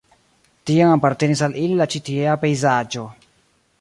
Tiam apartenis al ili la ĉi tiea pejzaĝo.